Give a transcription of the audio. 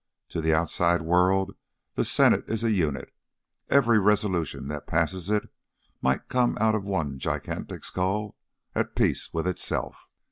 To the outside world the Senate is a unit; every resolution that passes it might come out of one gigantic skull at peace with itself.